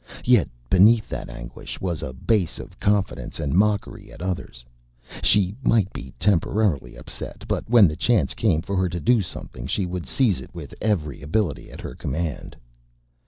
Yet beneath that anguish was a base of confidence and mockery at others. She might be temporarily upset, but when the chance came for her to do something she would seize it with every ability at her command.